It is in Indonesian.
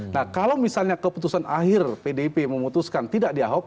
nah kalau misalnya keputusan akhir pdip memutuskan tidak di ahok